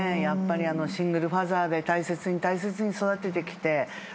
やっぱりシングルファーザーで大切に大切に育ててきて。